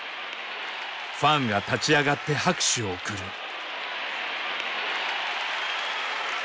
ファンが立ち上がって拍手を送る。